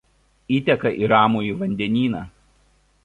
Įteka į Ramųjį vandenyną.